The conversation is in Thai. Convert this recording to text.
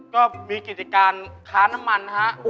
ก็มีกิจการน้ำมันอะครับ